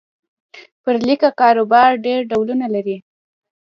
پر لیکه کاروبار ډېر ډولونه لري.